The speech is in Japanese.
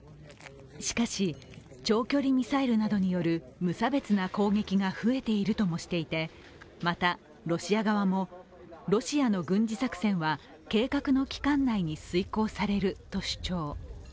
しかし長距離ミサイルなどによる無差別な攻撃が増えているともしていてまた、ロシア側も、ロシアの軍事作戦は計画の期間内に遂行されると主張。